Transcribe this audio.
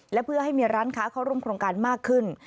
และเพื่อให้มีร้านค้าเข้าร่วมโครงการมากขึ้น